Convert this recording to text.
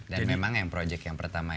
dan memang yang projek yang pertama